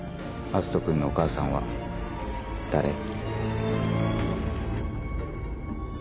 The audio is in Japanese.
篤斗君のお母さんは誰？